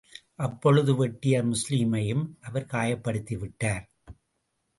அப்பொழுது வெட்டிய முஸ்லிமையும் அவர் காயப்படுத்தி விட்டார்.